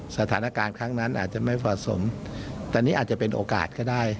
สถานการณ์ครั้งนั้นอาจจะไม่เหมาะสมแต่นี่อาจจะเป็นโอกาสก็ได้